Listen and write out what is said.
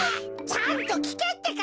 ちゃんときけってか！